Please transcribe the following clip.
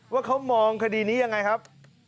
ว่าเขามองคดีนี้ยังไงครับ